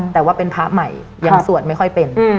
แต่ว่าเป็นพระใหม่ยังสวดไม่ค่อยเป็น